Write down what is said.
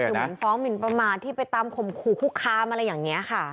คือเหมือนฟ้องหมินประมาทที่ไปตามข่มขู่คุกคามอะไรอย่างนี้ค่ะ